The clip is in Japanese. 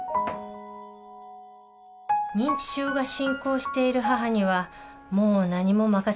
認知症が進行している母にはもう何もまかせられません。